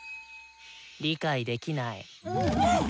理解できない。